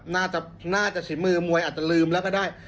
น่าจะฝีมือมวยอาจจะลืมแล้วก็ได้